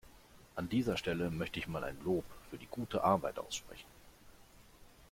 An dieser Stelle möchte ich mal ein Lob für die gute Arbeit aussprechen.